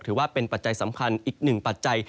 ถือว่าเป็นปัจจัยสำคัญอีกหนึ่งปัจจัย